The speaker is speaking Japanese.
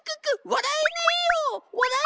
笑えないよ。